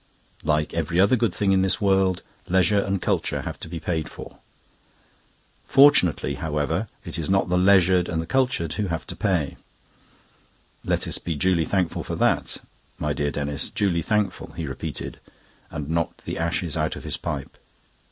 Like every other good thing in this world, leisure and culture have to be paid for. Fortunately, however, it is not the leisured and the cultured who have to pay. Let us be duly thankful for that, my dear Denis duly thankful," he repeated, and knocked the ashes out of his pipe.